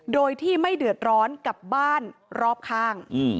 โดยที่ไม่เดือดร้อนกับบ้านรอบข้าง